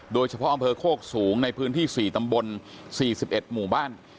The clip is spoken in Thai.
โดยเฉพาะอำเภอโคกสูงในพื้นที่๔ตำบล๔๑หมู่บ้าน